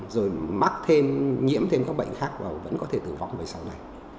rồi mắc thêm nhiễm thêm các bệnh khác vào vẫn có thể tử vong với sau này